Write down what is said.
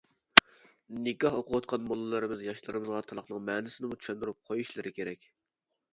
نىكاھ ئوقۇۋاتقان موللىلىرىمىز ياشلىرىمىزغا تالاقنىڭ مەنىسىنىمۇ چۈشەندۈرۈپ قويۇشلىرى كېرەك.